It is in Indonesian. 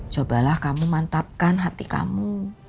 cobalah kamu mantapkan hati kamu